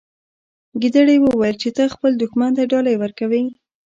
ګیدړې وویل چې ته خپل دښمن ته ډالۍ ورکوي.